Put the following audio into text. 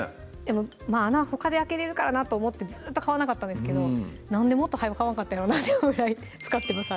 まぁ穴ほかで開けれるからなと思ってずっと買わなかったんですけどなんでもっと早よ買わんかったんやろなって思うぐらい使ってます